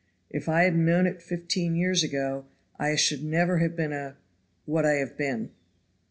If I had known it fifteen years ago, I should never have been a what I have been."